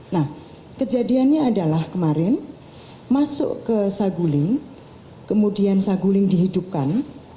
nah kejadiannya adalah kemarin masuk ke saguling kemudian saguling dihidupkan